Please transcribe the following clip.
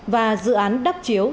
và dự án đắp chiếu